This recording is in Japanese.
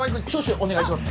お願いします。